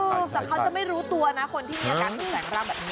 แต่เขาจะไม่รู้ตัวนะคนที่มีอากาศที่สังเริ่มแบบนี้